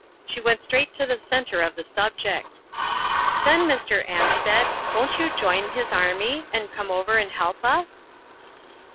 She went straight to the centre of the subject: " Then, Mr Ansted, won't you join his army, and come over and help us